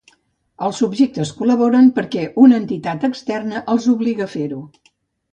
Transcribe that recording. Els subjectes col·laboren perquè una entitat externa els obliga a fer-ho.